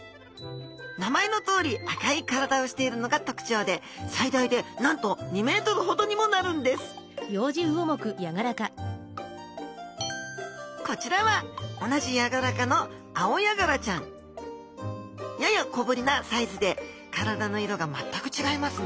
名前のとおり赤い体をしているのが特徴で最大でなんと２ｍほどにもなるんですこちらは同じヤガラ科のアオヤガラちゃん。やや小ぶりなサイズで体の色が全く違いますね